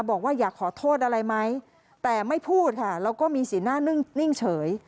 บอกว่าอยากขอโทษอะไรไหมแต่ไม่พูดค่ะแล้วก็มีสีหน้านิ่งเฉย